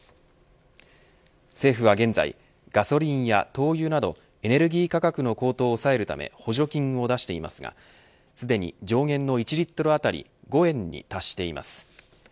政府は現在ガソリンや灯油などエネルギー価格の高騰を抑えるため補助金を出していますがすでに上限の１リットルあたり５円に達しています。